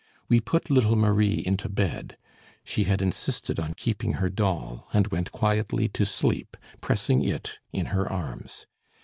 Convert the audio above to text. We put little Marie into bed; she had insisted on keeping her doll, and went quietly to sleep pressing it in her arms.